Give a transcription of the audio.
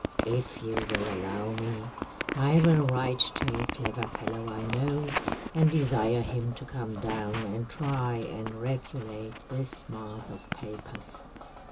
If you will allow me, I will write to a clever fellow I know, and desire him to come down and try and regulate this mass of papers."